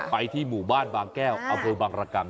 ไปที่หมู่บ้านบางแก้วอำเภอบางรกรรม